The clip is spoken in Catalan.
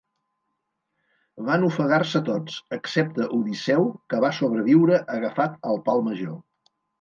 Van ofegar-se tots, excepte Odisseu, que va sobreviure agafat al pal major.